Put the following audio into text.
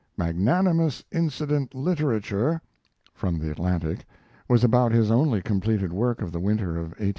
"Magnanimous Incident Literature" (for the Atlantic) was about his only completed work of the winter of 1877 78.